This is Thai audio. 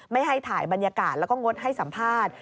ไม่ให้ถ่ายบรรยากาศแล้วก็งดให้สัมภาษณ์